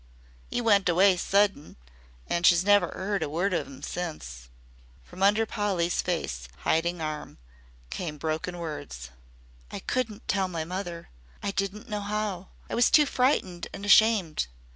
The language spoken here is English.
"'E went away sudden an' she's never 'eard word of 'im since." From under Polly's face hiding arm came broken words. "I couldn't tell my mother. I did not know how. I was too frightened and ashamed.